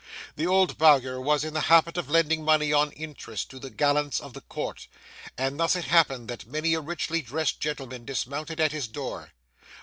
The old Bowyer was in the habit of lending money on interest to the gallants of the Court, and thus it happened that many a richly dressed gentleman dismounted at his door.